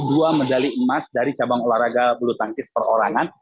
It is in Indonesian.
dua medali emas dari cabang olahraga bulu tangkis perorangan